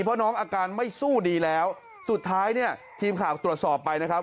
เพราะน้องอาการไม่สู้ดีแล้วสุดท้ายเนี่ยทีมข่าวตรวจสอบไปนะครับ